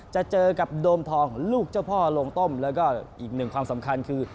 จะเจอกับโดมทองลูกเจ้าพ่อโรงต้มแล้วก็อีกหนึ่งความสำคัญคือ